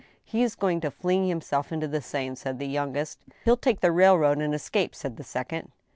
" He is going to fling himself into the Seine," said the youngest. " He'll take the railroad, and escape," said the second.